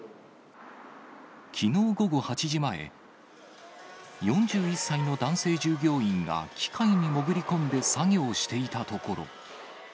きのう午後８時前、４１歳の男性従業員が、機械に潜り込んで作業していたところ。